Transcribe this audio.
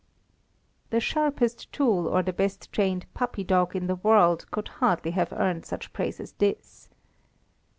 The sharpest tool, or the best trained puppy dog in the world, could hardly have earned such praise as this.